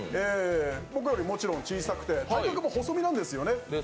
僕よりもちろん小さくて体格も細身なんですよね。